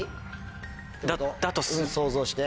想像して。